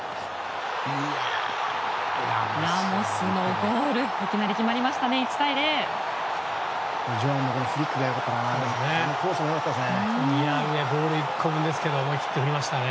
ラモスのゴールがいきなり決まりましたね。